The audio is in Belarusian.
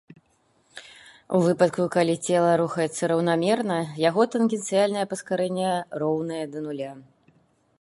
У выпадку, калі цела рухаецца раўнамерна, яго тангенцыяльнае паскарэнне роўнае да нуля.